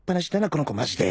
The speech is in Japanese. この子マジで